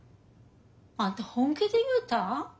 あんた本気で言うたん？